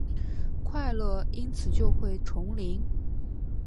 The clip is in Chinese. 快乐因此就会重临？